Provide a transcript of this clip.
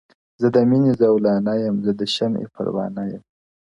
• زه د میني زولانه یم زه د شمعي پر وانه یم -